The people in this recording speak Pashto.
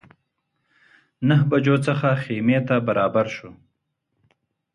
نهه بجو څخه خیمې ته برابر شوو.